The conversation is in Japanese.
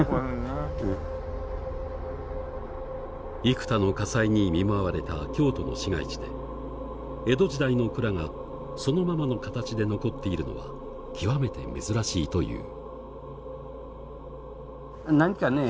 幾多の火災に見舞われた京都の市街地で江戸時代の蔵がそのままの形で残っているのは極めて珍しいという。